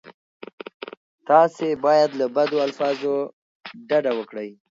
تاسې باید له بدو الفاظو ډډه وکړئ.